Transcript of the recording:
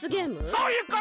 そういうこと！